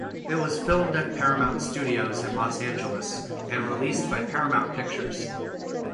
It was filmed at Paramount Studios in Los Angeles and released by Paramount Pictures.